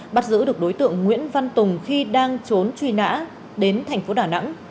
bắt giữ được đối tượng nguyễn văn tùng khi đang trốn truy nã đến thành phố đà nẵng